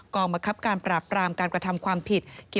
บังคับการปราบปรามการกระทำความผิด